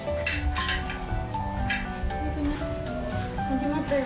始まったよ